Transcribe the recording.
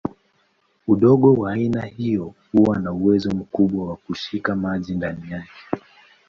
Udongo wa aina hiyo huwa na uwezo mkubwa wa kushika maji ndani yake.